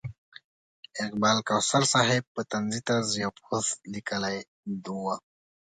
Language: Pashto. اقبال کوثر صاحب په طنزي طرز یو پوسټ لیکلی و.